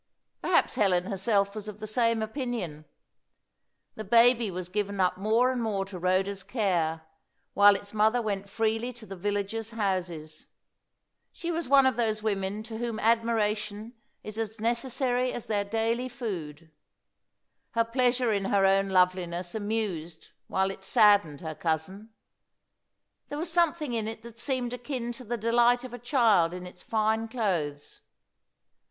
Perhaps Helen herself was of the same opinion. The baby was given up more and more to Rhoda's care, while its mother went freely to the villagers' houses. She was one of those women to whom admiration is as necessary as their daily food. Her pleasure in her own loveliness amused while it saddened her cousin. There was something in it that seemed akin to the delight of a child in its fine clothes.